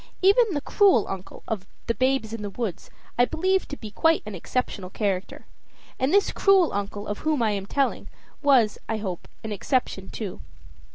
Even the "cruel uncle" of the "Babes in the Wood" I believe to be quite an exceptional character. And this "cruel uncle" of whom I am telling was, I hope, an exception, too.